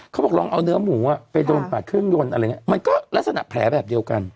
เขาบอกลองเอาเนื้อหมูอ่ะไปโดนปาดเครื่องยนต์อะไรอย่างนี้มันก็ลักษณะแผลแบบเดียวกัน